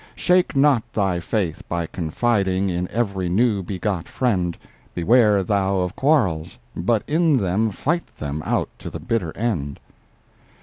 Shake not thy faith by confiding In every new begot friend, Beware thou of quarrels—but in them Fight them out to the bitter end.